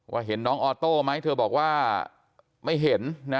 เห็นน้องออโต้ไหมเธอบอกว่าไม่เห็นนะ